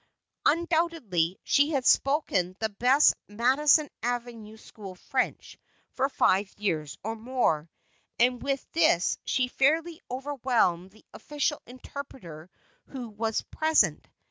Undoubtedly, she had spoken the best Madison Avenue school French for five years or more; and with this she fairly overwhelmed the official interpreter who was present.